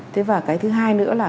thế và cái thứ hai nữa là